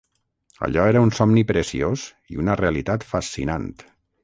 Allò era un somni preciós i una realitat fascinant.